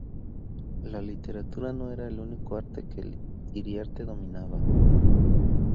La literatura no era el único arte que Iriarte dominaba.